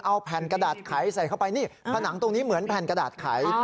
เอาแผ่นกระดาษไขใส่เข้าไปนี่ผนังตรงนี้เหมือนแผ่นกระดาษไข